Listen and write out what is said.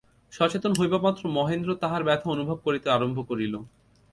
সচেতন হইবামাত্র মহেন্দ্র তাহার ব্যথা অনুভব করিতে আরম্ভ করিল।